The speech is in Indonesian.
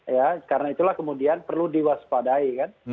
ya karena itulah kemudian perlu diwaspadai kan